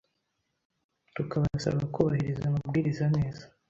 tukabasaba kubahiriza amabwiriza neza